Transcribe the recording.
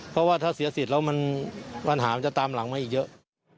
เพราะว่าถ้าเสียสิทธิ์แล้วปัญหามันจะตามหลังมาอีกเยอะ